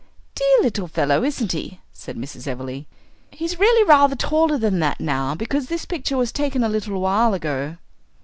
"Dear little fellow, isn't he?" said Mrs. Everleigh. "He's really rather taller than that now, because this picture was taken a little while ago."